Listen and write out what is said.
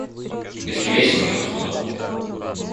Если весело, я вас позову.